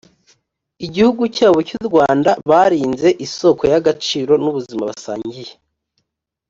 Igihugu cyabo cy u Rwanda Barinze isoko y agaciro n ubuzima basangiye